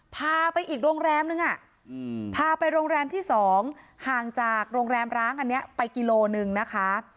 พาไปอีกโรงแรมนึงพาไปโรงแรมที่๒ห่างจากโรงแรมร้างอันนี้ไปกิโลนึงนะคะ